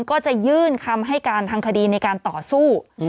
ก็จะยื่นคำให้การทางคดีในการต่อสู้